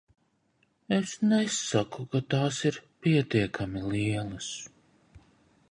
Es nesaku, ka tās ir pietiekami lielas.